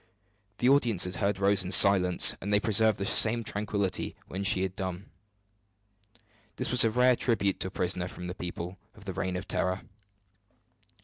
The audience had heard Rose in silence, and they preserved the same tranquillity when she had done. This was a rare tribute to a prisoner from the people of the Reign of Terror.